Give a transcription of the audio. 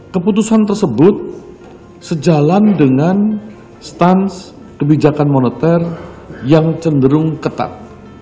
keputusan tersebut sejalan dengan stans kebijakan moneter yang cenderung ketat